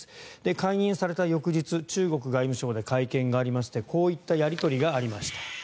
解任された翌日中国外務省で会見がありましてこういったやり取りがありました。